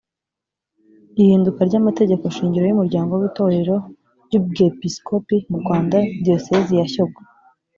ihinduka ry amategeko shingiro y umuryango w itorero ry ubwepisikopi mu rwanda diyosezi ya shyogwe